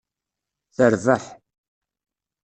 Terbeḥ.